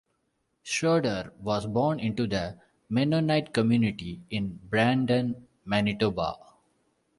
Schroeder was born into the Mennonite community in Brandon, Manitoba.